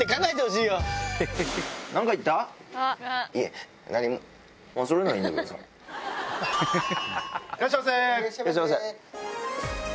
いらっしゃいませ。